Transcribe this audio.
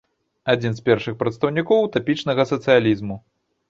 Адзін з першых прадстаўнікоў утапічнага сацыялізму.